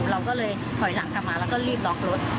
เราก็เลยถอยหลังกลับมาแล้วก็รีบล็อกรถ